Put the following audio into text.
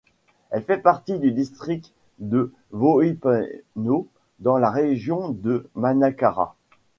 Elle fait partie du District de Vohipeno dans la Région de Manakara.